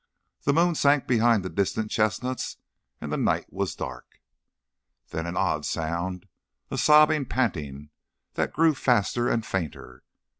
The moon sank behind the distant chestnuts and the night was dark. Then an odd sound, a sobbing panting, that grew faster and fainter.